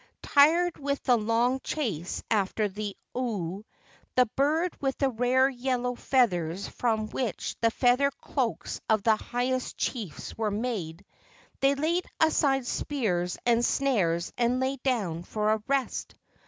Tired with the long chase after the 00, the bird with the rare yellow feathers from which the feather cloaks of the highest chiefs were made, they laid aside spears and snares and lay down for a rest.